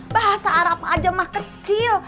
bahasa arab aja mah kecil